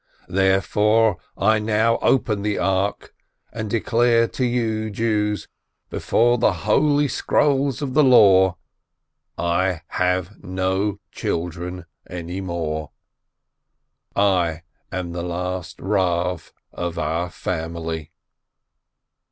Therefore I now open the ark and declare to you, Jews, before the holy scrolls of the Law, I have no children any more. I am the last Rav of our family